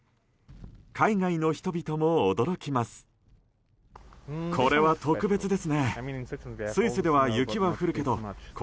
海外の人々も驚きます。